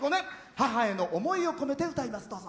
母への思いを込めて歌います。